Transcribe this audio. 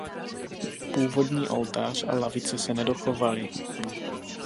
Původní oltář a lavice se nedochovaly.